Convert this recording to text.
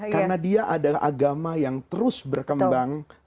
karena dia adalah agama yang terus berkembang